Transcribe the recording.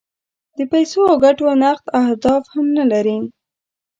د پیسو او ګټو نغد اهداف هم نه لري.